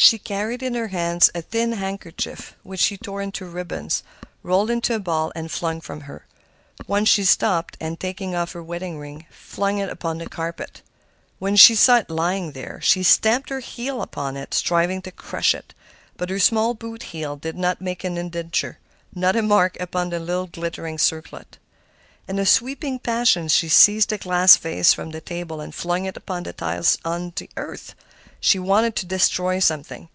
She carried in her hands a thin handkerchief, which she tore into ribbons, rolled into a ball, and flung from her. Once she stopped, and taking off her wedding ring, flung it upon the carpet. When she saw it lying there, she stamped her heel upon it, striving to crush it. But her small boot heel did not make an indenture, not a mark upon the little glittering circlet. In a sweeping passion she seized a glass vase from the table and flung it upon the tiles of the hearth. She wanted to destroy something.